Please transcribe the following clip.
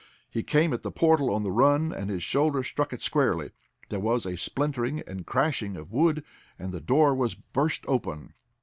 He came at the portal on the run, and his shoulder struck it squarely. There was a splintering and crashing of wood, and the door was burst open.